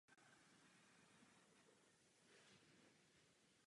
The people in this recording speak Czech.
Na severní straně za dvorním křídlem jsou dva samostatně stojící objekty dílen.